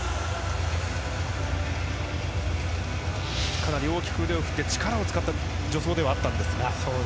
かなり大きく腕を振って力を使った助走ではあったんですが。